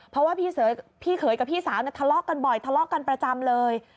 เพราะว่าพี่เขยกับพี่สาวทะเลาะกันบ่อยทะเลาะกันประจำเลย